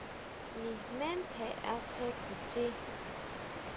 Nijmé ntjen asje kuchii.